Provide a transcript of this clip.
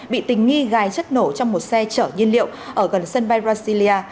bị tình nghi gai chất nổ trong một xe chở nhiên liệu ở gần sân bay brasilia